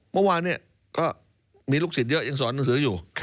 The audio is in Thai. เมื่อวานก็มีลูกศิษย์เยอะยังสอนหนังสืออยู่